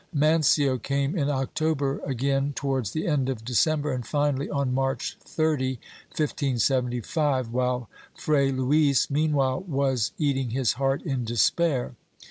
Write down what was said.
Mancio came in October, again towards the end of December, and finally on March 30, 1575, while Fray Luis meanwhile was eating his heart in despair.